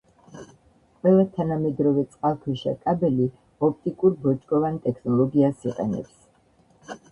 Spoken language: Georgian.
ყველა თანამედროვე წყალქვეშა კაბელი ოპტიკურ-ბოჭკოვან ტექნოლოგიას იყენებს.